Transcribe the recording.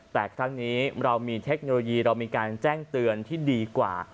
แต่ครั้งนี้เรามีเทคโนโลยีเรามีการแจ้งเตือนที่ดีกว่า